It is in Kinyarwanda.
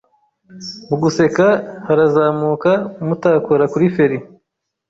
Mu guseka harazamuka mutakora kuri feri,